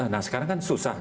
nah sekarang kan susah